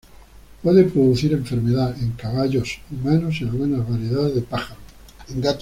Puede producir enfermedad en caballos, humanos y algunas variedades de pájaros.